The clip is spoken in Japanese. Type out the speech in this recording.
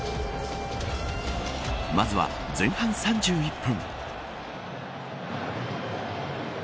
まずは前半３１分。